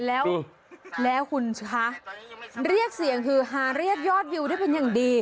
แล้วคุณคะเรียกเสียงคือหาเรียกยอดวิวได้เป็นอย่างดี